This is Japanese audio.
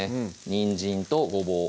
にんじんとごぼう